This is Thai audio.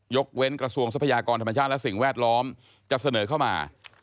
เว้นกระทรวงทรัพยากรธรรมชาติและสิ่งแวดล้อมจะเสนอเข้ามา